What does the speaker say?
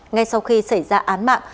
ngay sau khi xảy ra án mạng